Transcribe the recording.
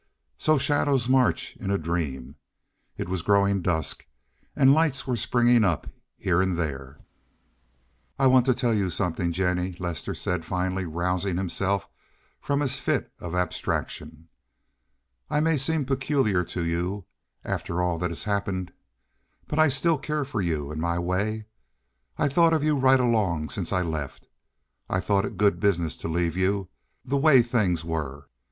So shadows march in a dream. It was growing dusk, and lights were springing up here and there. "I want to tell you something, Jennie," said Lester, finally rousing himself from his fit of abstraction. "I may seem peculiar to you, after all that has happened, but I still care for you—in my way. I've thought of you right along since I left. I thought it good business to leave you—the way things were.